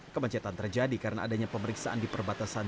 kemacetan terjadi karena adanya pemeriksaan di perbatasan